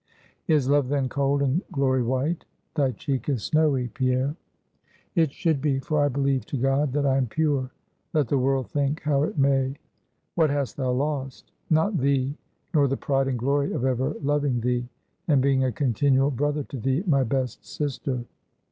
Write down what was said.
"Is love then cold, and glory white? Thy cheek is snowy, Pierre." "It should be, for I believe to God that I am pure, let the world think how it may." "What hast thou lost?" "Not thee, nor the pride and glory of ever loving thee, and being a continual brother to thee, my best sister.